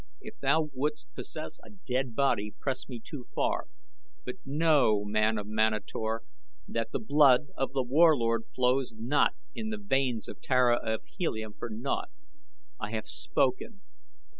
If thou wouldst possess a dead body press me too far, but know, man of Manator, that the blood of The Warlord flows not in the veins of Tara of Helium for naught. I have spoken."